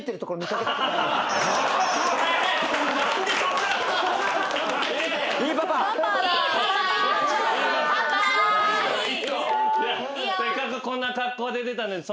せっかくこんな格好で出たのに。